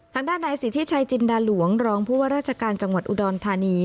ทางด้านนายสิทธิชัยจินดาหลวงรองผู้ว่าราชการจังหวัดอุดรธานี